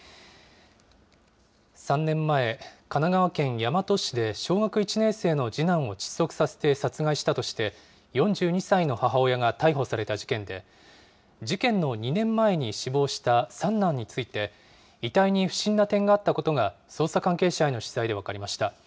３年前、神奈川県大和市で小学１年生の次男を窒息させて殺害したとして、４２歳の母親が逮捕された事件で、事件の２年前に死亡した三男について、遺体に不審な点があったことが捜査関係者への取材で分かりました。